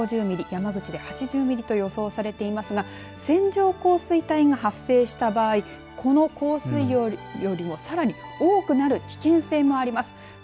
山口で８０ミリと予想されていますが線状降水帯が発生した場合この降水量よりもさらに多くなる危険性もあります。